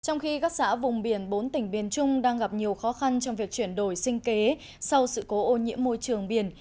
trong khi các xã vùng biển bốn tỉnh biên trung đang gặp nhiều khó khăn trong việc chuyển đổi sinh kế sau sự cố ô nhiễm môi trường biển